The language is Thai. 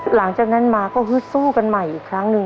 หลังจากนั้นมาก็ฮึดสู้กันใหม่อีกครั้งหนึ่ง